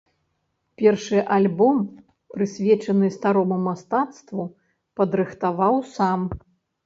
Першы альбом, прысвечаны старому мастацтву, падрыхтаваў сам.